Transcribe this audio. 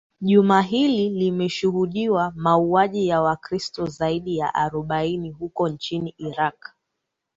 jumaa hili limeshuhudiwa mauwaji ya wakristo zaidi ya arobaini huko nchini iraq